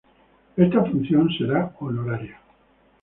Esta función será honoraria.